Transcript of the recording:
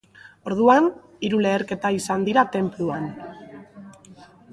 Orduan, hiru leherketa izan dira tenpluan.